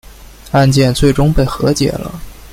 案件最终被和解了。